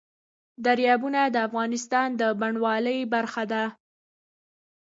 دریابونه د افغانستان د بڼوالۍ برخه ده.